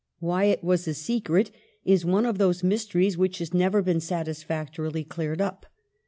Why it was a secret is one of those mysteries which has never been satisfac torily cleared up.